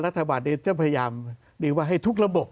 รัฐบาลจะพยายามหรือว่าให้ทุกระบบ